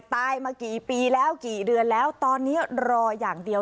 ตายมากี่ปีแล้วกี่เดือนแล้วตอนนี้รออย่างเดียว